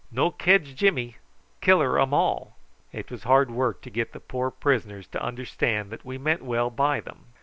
"No kedge Jimmy. Killer um all." It was hard work to get the poor prisoners to understand that we meant well by them.